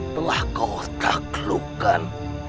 telah kau taklukkan